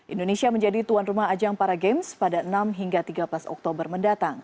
indonesia menjadi tuan rumah ajang para games pada enam hingga tiga belas oktober mendatang